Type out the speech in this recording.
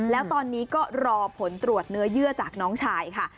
แล้วตอนนี้ก็รอผลตรวจเนื้อเยื่อจากน้องชายค่ะ